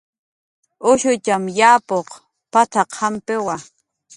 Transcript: "Ushutxam yapuq p""at""aqampiwa"